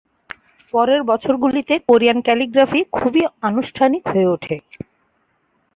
পরের বছরগুলিতে Korean calligraphy খুবই আনুষ্ঠানিক হয়ে ওঠে।